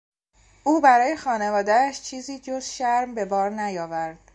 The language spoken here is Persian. او برای خانوادهاش چیزی جز شرم به بار نیاورد.